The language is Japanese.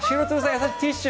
優しいティッシュ。